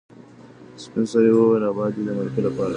سپین سرې وویل چې ابا دې د مرکې لپاره لاړ.